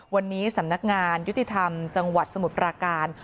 วันนี้สำนักงานยุติธรรมจังหวัดสมุทรปราการ